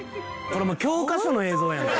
これもう教科書の映像やん」